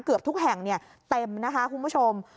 เกือบทุกแห่งเต็มนะคะคุณผู้ชม